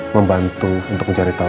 membantu untuk mencari tahu